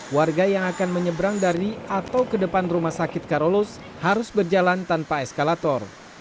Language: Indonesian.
warga yang akan menyeberang dari atau ke depan rumah sakit karolus harus berjalan tanpa eskalator